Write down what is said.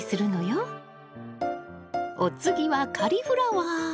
お次はカリフラワー！